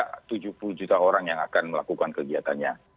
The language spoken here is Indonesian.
ada tujuh puluh juta orang yang akan melakukan kegiatannya